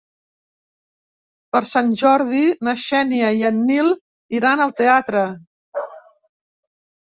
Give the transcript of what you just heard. Per Sant Jordi na Xènia i en Nil iran al teatre.